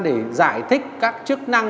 để giải thích các chức năng